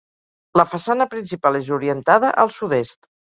La façana principal és orientada al sud-est.